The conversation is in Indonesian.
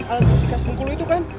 alat musik khas bengkulu itu kan